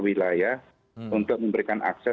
wilayah untuk memberikan akses